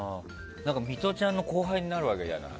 ミトちゃんの後輩になるわけじゃない。